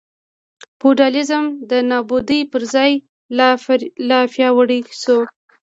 فیوډالېزم د نابودۍ پر ځای لا پیاوړی شو.